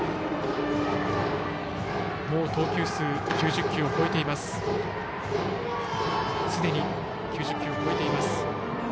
もう投球数は９０球を超えています。